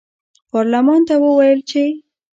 پارلمان ته وویل چې